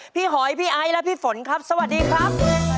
หอยพี่ไอซ์และพี่ฝนครับสวัสดีครับ